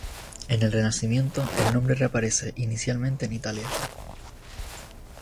En el Renacimiento el nombre reaparece, inicialmente en Italia.